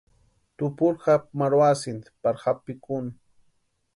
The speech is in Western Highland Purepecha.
Tupuri japu marhuasïnti pari japu pʼikuni.